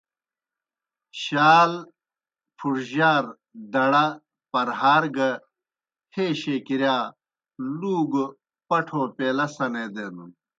شال، پُھڙجِیار، دڑہ، پرہار گہ ہَیشے کِرِیا لُوگہ پٹھو پیلہ سنےدینَن۔